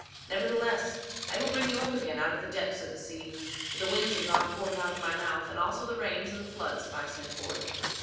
Nevertheless, I will bring you up again out of the depths of the sea; for the winds have gone forth out of my mouth, and also the rains and the floods have I sent forth.